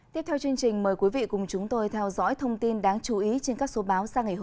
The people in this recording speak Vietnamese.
tiếp theo chương trình